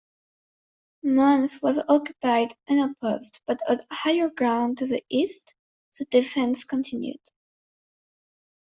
Mons was occupied unopposed but on higher ground to the east, the defence continued.